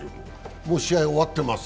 もう試合、終わってます。